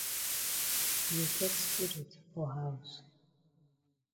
You get spirit for haus?